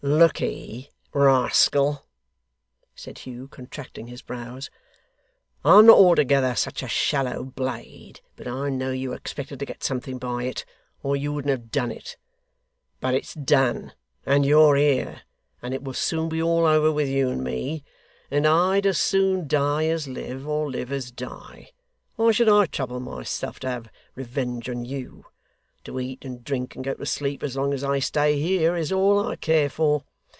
'Lookee, rascal,' said Hugh, contracting his brows, 'I'm not altogether such a shallow blade but I know you expected to get something by it, or you wouldn't have done it. But it's done, and you're here, and it will soon be all over with you and me; and I'd as soon die as live, or live as die. Why should I trouble myself to have revenge on you? To eat, and drink, and go to sleep, as long as I stay here, is all I care for.